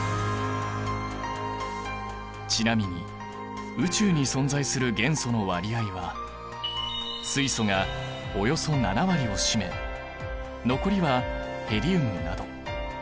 ちなみに宇宙に存在する元素の割合は水素がおよそ７割を占め残りはヘリウムなど。